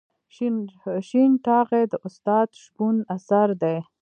شین ټاغی د استاد شپون اثر دی.